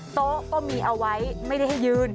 โต๊ะก็มีเอาไว้ไม่ได้ให้ยืน